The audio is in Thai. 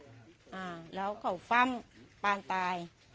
อ่าแล้วเขาฟ่ำปานตาย